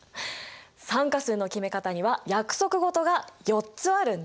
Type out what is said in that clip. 酸化数の決め方には約束事が４つあるんだ。